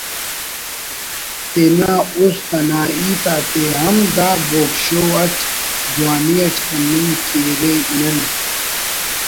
تینا است انا ہیت آتے ہم دا ”بوگ شو“ اٹ جوانی اٹ کننگ کیرے نن